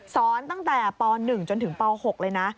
ตั้งแต่ป๑จนถึงป๖เลยนะ